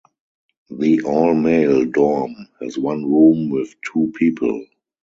The all-male dorm has one room with two people.